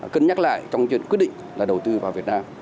cân nhắc lại trong chuyện quyết định là đầu tư vào việt nam